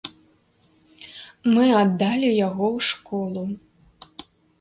Мы аддалі яго ў школу.